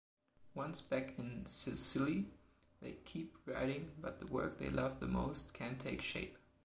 Once back in Sicily, they keep writing but the work they love the most can’t take shape.